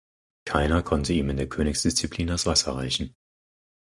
Keiner konnte ihm in der Königsdisziplin das Wasser reichen.